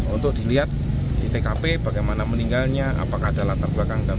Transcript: untuk dilihat di tkp bagaimana meninggalnya apakah ada latar belakang